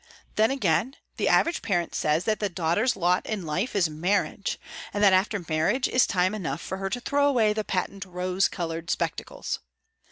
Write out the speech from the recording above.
Then again, the average parent says that the daughter's lot in life is marriage, and that after marriage is time enough for her to throw away the patent rose coloured spectacles.